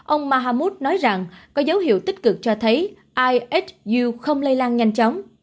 ông mahamoud nói rằng có dấu hiệu tích cực cho thấy ihu không lây lan nhanh chóng